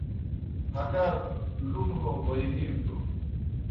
ہگار لُم ہو بوئے نِیٹوْ۔